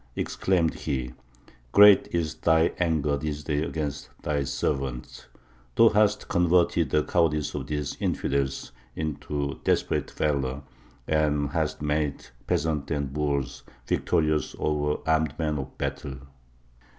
exclaimed he, 'great is Thy anger this day against Thy servants! Thou hast converted the cowardice of these infidels into desperate valour, and hast made peasants and boors victorious over armed men of battle!'